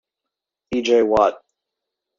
E. J. Watt.